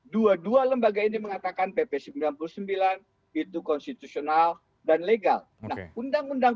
dua dua lembaga ini mengatakan pp sembilan puluh sembilan itu konstitusional dan legal nah undang undang